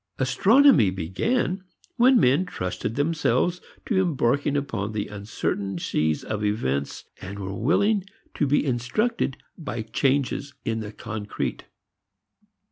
Astronomy began when men trusted themselves to embarking upon the uncertain sea of events and were willing to be instructed by changes in the concrete.